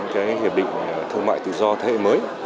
cái hiệp định thương mại tự do thế hệ mới